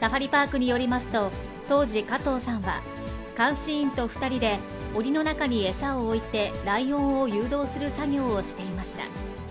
サファリパークによりますと、当時、加藤さんは、監視員と２人でおりの中に餌を置いてライオンを誘導する作業をしていました。